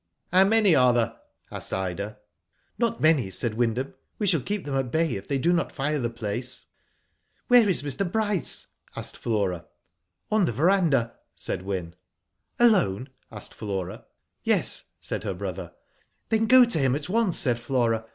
" How many are there ?^' asked Ida. "Not many," said Wyndham. "We shall keep them at bay if they do not fire the place." "Where is Mr. Bryce?" asked Flora. "On the verandah," said Wyn. "Alone?" asked Flora. "Yes," said her brother. "Then go to him at once," said Flora.